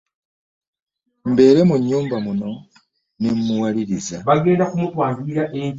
Mbere munyumba muno nemuwaliriza.